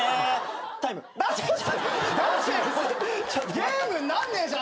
ゲームになんねえじゃん。